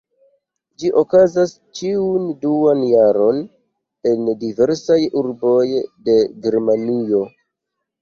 Ĝi okazas ĉiun duan jaron en diversaj urboj de Germanujo.